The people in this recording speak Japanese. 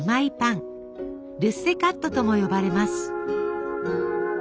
「ルッセカット」とも呼ばれます。